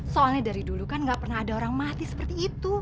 soalnya dari dulu kan gak pernah ada orang mati seperti itu